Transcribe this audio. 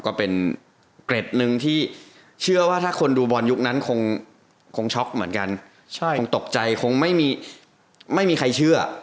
ก็เป็นเกร็ดหนึ่งที่เชื่อว่าถ้าคนดูบอลยุคนั้นคงช็อกเหมือนกันคงตกใจคงไม่มีไม่มีใครเชื่อ